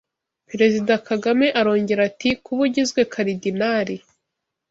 Perezida Kagame arongera ati “Kuba ugizwe Karidinali